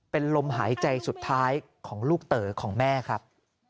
เป็นลมหายใจสุดท้ายของลูกเต๋อของแม่ครับ